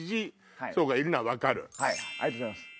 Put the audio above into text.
ありがとうございます。